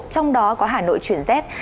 trong đó có hà nội chuyển rét